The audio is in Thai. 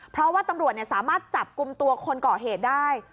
เพราะว่าตำรวจสามารถจับกลุ่มตัวคนก่อเหตุได้